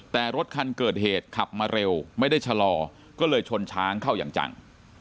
แต่รถคันเกิดเหตุขับมาเร็วไม่ได้ชะลอก็เลยชนช้างเข้าอย่างจัง